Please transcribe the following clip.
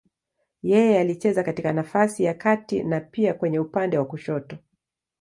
Yeye alicheza katika nafasi ya kati na pia kwenye upande wa kushoto.